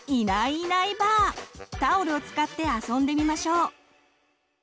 タオルを使って遊んでみましょう。